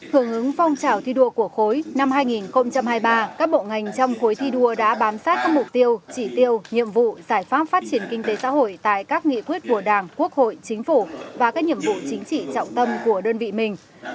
hưởng ứng phong trào thi đua của khối năm hai nghìn hai mươi ba các bộ ngành trong khối thi đua đã bám sát các mục tiêu chỉ tiêu nhiệm vụ giải pháp phát triển kinh tế xã hội tại các nghị quyết của đảng quốc hội chính phủ và các nhiệm vụ chính trị trọng tâm của đơn vị mình